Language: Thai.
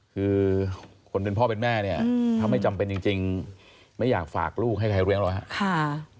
คือคนเป็นพ่อเป็นแม่เนี่ยถ้าไม่จำเป็นจริงไม่อยากฝากลูกให้ใครเลี้ยงหรอกครับ